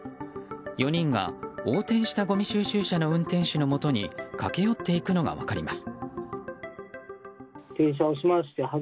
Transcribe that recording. ４人が横転したごみ収集車の運転手のもとに駆け寄っていくのが分かります。